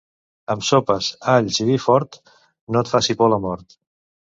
Amb sopes, alls i vi fort, no et faci por la mort.